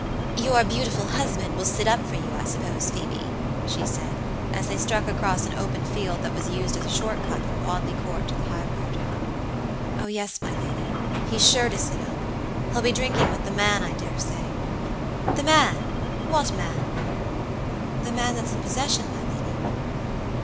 "Your beautiful husband will sit up for you, I suppose, Phoebe?" she said, as they struck across an open field that was used as a short cut from Audley Court to the high road. "Oh, yes, my lady; he's sure to sit up. He'll be drinking with the man, I dare say." "The man! What man?" "The man that's in possession, my lady."